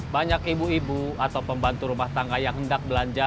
banyak ibu ibu atau pembantu rumah tangga yang hendak belanja